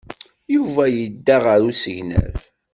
Yuba yedda ɣer usegnaf.